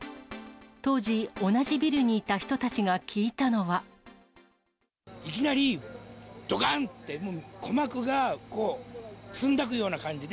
当時、同じビルにいた人たちが聞いきなり、どかんって、もう鼓膜がこう、つんざくような感じで。